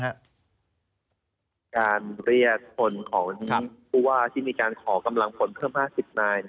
การเรียกคนของผู้ว่าที่มีการขอกำลังผลเพิ่ม๕๐นาย